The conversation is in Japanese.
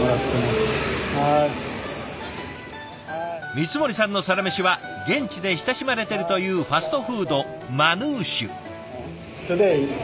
光森さんのサラメシは現地で親しまれてるというファストフードマヌーシュ。